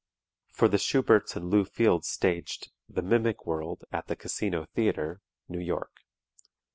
For the Shuberts and Lew Fields staged "The Mimic World," at the Casino Theatre, New York.